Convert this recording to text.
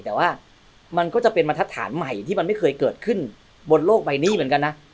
แต่ว่ามันก็จะเป็นบรรทัดฐานใหม่ที่มันไม่เคยเกิดขึ้นบนโลกใบนี้เหมือนกันนะ